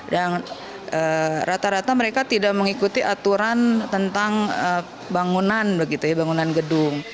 dan rata rata mereka tidak mengikuti aturan tentang bangunan gedung